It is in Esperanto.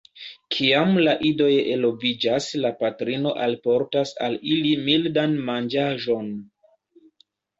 Kiam la idoj eloviĝas la patrino alportas al ili mildan manĝaĵon.